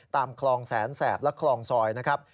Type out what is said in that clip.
ตามคลองแสนแสบและคลองซอยนะครับ